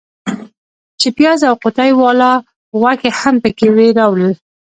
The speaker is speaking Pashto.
چې پیاز او قوطۍ والا غوښې هم پکې وې راوړل.